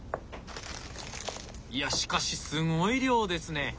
いやしかしすごい量ですね！